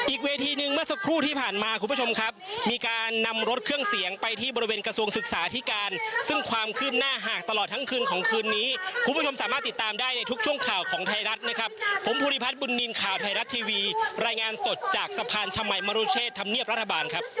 อีกเวทีหนึ่งเมื่อสักครู่ที่ผ่านมาคุณผู้ชมครับมีการนำรถเครื่องเสียงไปที่บริเวณกระทรวงศึกษาอธิการซึ่งความขึ้นหน้าหากตลอดทั้งคืนของคืนนี้คุณผู้ชมสามารถติดตามได้ในทุกช่วงข่าวของไทยรัฐนะครับ